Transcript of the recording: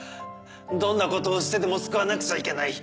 どんなことをしてでも救わなくちゃいけない。